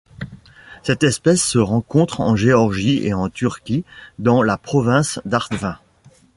Cette espèce se rencontre en Géorgie et en Turquie dans la province d'Artvin.